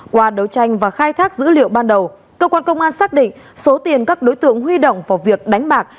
qua đấu tranh và khai thác dữ liệu ban đầu cơ quan công an xác định số tiền các đối tượng huy động vào việc đánh bạc